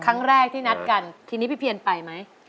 ครั้งแรกที่นัดกันทีนี้พี่เพียนไปไหม